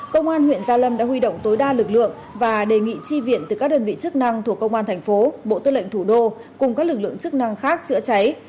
công an huyện gia lâm đã huy động tối đa lực lượng và đề nghị tri viện từ các đơn vị chức năng thuộc công an thành phố bộ tư lệnh thủ đô cùng các lực lượng chức năng khác chữa cháy